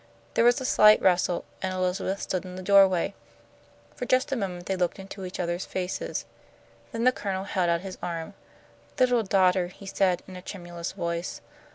There was a slight rustle, and Elizabeth stood in the doorway. For just a moment they looked into each other's faces. Then the Colonel held out his arm. "Little daughter," he said, in a tremulous voice.